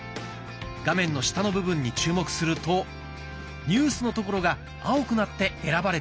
画面の下の部分に注目すると「ニュース」の所が青くなって選ばれています。